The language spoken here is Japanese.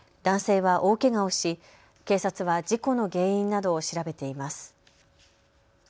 男性は大けがをし、警察は事故の原因などを調べています。